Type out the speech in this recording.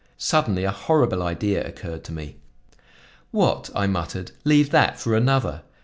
Suddenly a horrible idea occurred to me. "What!" I muttered, "leave that for another!